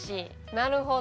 なるほど。